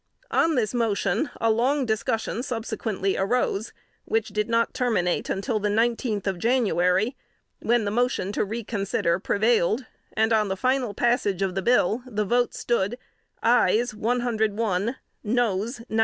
On this motion, a long discussion subsequently arose, which did not terminate until the nineteenth of January, when the motion to reconsider prevailed, and on the final passage of the bill the vote stood ayes 101, noes 95.